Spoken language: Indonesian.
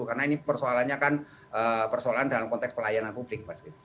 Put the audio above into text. karena ini persoalannya kan persoalan dalam konteks pelayanan publik pak